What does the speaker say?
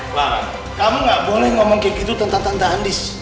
clara kamu gak boleh ngomong kayak gitu tentang tante andis